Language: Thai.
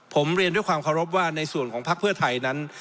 ผมเรียนด้วยความเคารพว่าในส่วนของภักดิ์เพื่อไทยนั้น